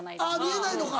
見えないのか。